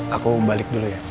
aku balik dulu ya